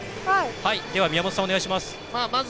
宮本さん、お願いします。